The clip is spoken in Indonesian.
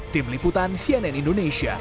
tim liputan cnn indonesia